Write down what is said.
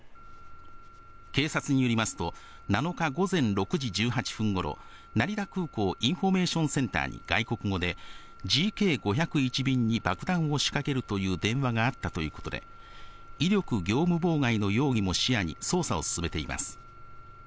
警察によりますと、７日午前６時１８分ごろ、成田空港インフォメーションセンターに、外国語で、ＧＫ５０１便に爆弾を仕掛けるという電話があったということで、威力業務妨害の容疑も視野に、捜査を進めています。